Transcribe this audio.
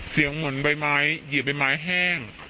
เหมือนใบไม้เหยียบใบไม้แห้ง